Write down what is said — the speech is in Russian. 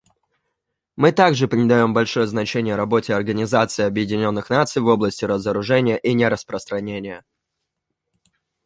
Мы также придаем большое значение работе Организации Объединенных Наций в области разоружения и нераспространения.